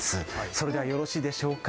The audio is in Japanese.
それではよろしいでしょうか。